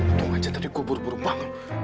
untung aja tadi gue buru buru bangun